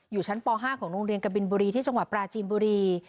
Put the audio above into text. อยู่ชั้นป๕ของโรงเรียนกบินบุรีที่จังหวัดปราจีนบุรี